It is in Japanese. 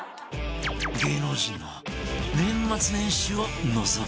芸能人の年末年始をのぞき見